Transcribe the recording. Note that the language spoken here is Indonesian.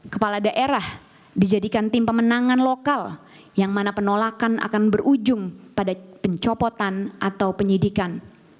kepala daerah dijadikan tim pemenangan lokal yang mana penolakan akan berujung pada pencopotan atau penyidikan